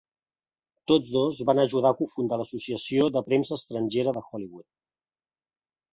Tos dos van ajudar a cofundar l'Associació de Premsa Estrangera de Hollywood.